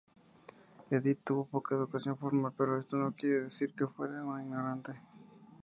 Edith tuvo poca educación formal, pero esto no quiere decir que fuera una ignorante.